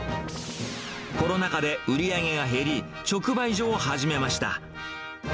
コロナ禍で売り上げが減り、直売所を始めました。